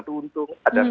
untung itu yang kemudian